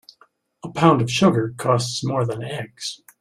A pound of sugar costs more than eggs.